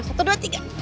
satu dua tiga